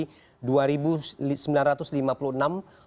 sehingga kemudian jumlahnya menjadi dua sembilan ratus lima belas